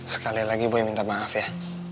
sekali lagi bu yang minta maaf ya